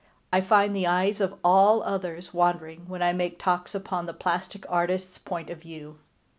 I find the eyes of all others wandering when I make talks upon the plastic artist's point of view.